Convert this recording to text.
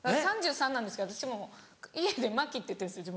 ３３なんですけど私家で「麻貴」って言ってるんですよ